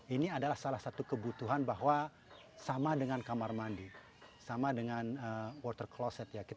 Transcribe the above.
ini adalah salah satu kebutuhan bahwa sama dengan kamar mandi sama dengan water closet